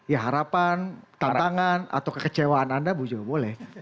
ya harapan tantangan atau kekecewaan anda bu jo boleh